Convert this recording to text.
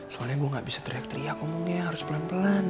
soalnya gue gak bisa teriak teriak ngomongnya harus pelan pelan